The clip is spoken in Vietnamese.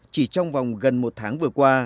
chỉ trong vòng gần một tháng vừa qua